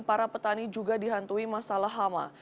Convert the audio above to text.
para petani juga dihantui masalah hama